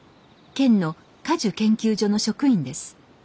県の果樹研究所の職員です。